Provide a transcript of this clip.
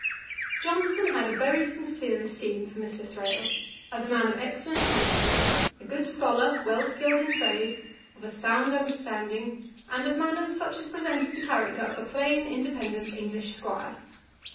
] Johnson had a very sincere esteem for Mr. Thrale, as a man of excellent principles, a good scholar, well skilled in trade, of a sound understanding, and of manners such as presented the character of a plain independent English 'Squire.